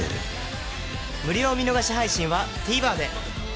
無料見逃し配信は ＴＶｅｒ で